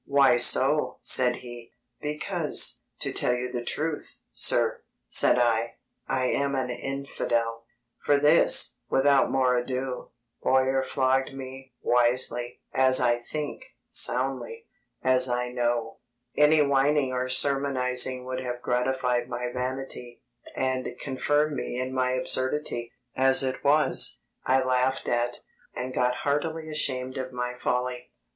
"Why so?" said he. "Because, to tell you the truth, sir," said I, "I am an infidel!" For this, without more ado, Bowyer flogged me wisely, as I think soundly, as I know. Any whining or sermonizing would have gratified my vanity, and confirmed me in my absurdity; as it was, I laughed at, and got heartily ashamed of my folly.